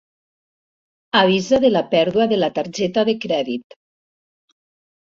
Avisa de la pèrdua de la targeta de crèdit.